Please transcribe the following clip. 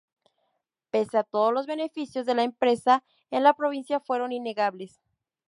Pese a todo los beneficios de la empresa en la provincia fueron innegables.